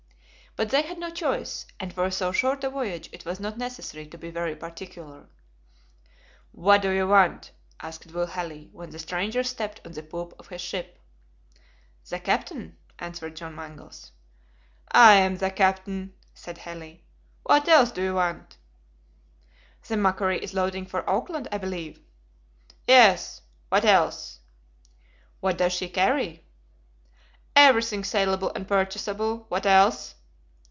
But they had no choice, and for so short a voyage it was not necessary to be very particular. "What do you want?" asked Will Halley, when the strangers stepped on the poop of his ship. "The captain," answered John Mangles. "I am the captain," said Halley. "What else do you want?" "The MACQUARIE is loading for Auckland, I believe?" "Yes. What else?" "What does she carry?" "Everything salable and purchasable. What else?"